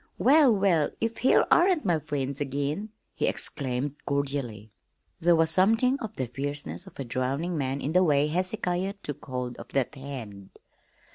"Well, well, if here aren't my friends again!" he exclaimed cordially. There was something of the fierceness of a drowning man in the way Hezekiah took hold of that hand.